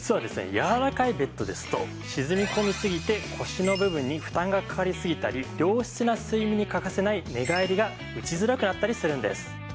柔らかいベッドですと沈み込みすぎて腰の部分に負担がかかりすぎたり良質な睡眠に欠かせない寝返りが打ちづらくなったりするんです。